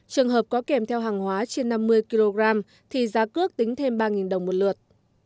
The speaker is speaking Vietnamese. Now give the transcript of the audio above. trường hợp có kèm theo hàng hóa trên năm mươi kg thì giá cước tính thêm ba đồng một lượt